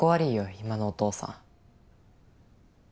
今のお父さん。